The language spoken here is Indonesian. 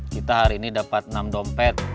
kita hari ini dapat enam dompet